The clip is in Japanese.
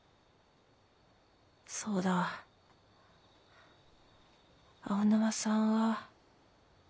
そうだ青沼さんは？